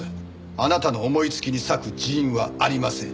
あなたの思いつきに割く人員はありません。